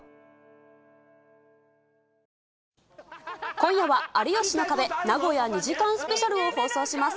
今夜は有吉の壁、名古屋２時間スペシャルを放送します。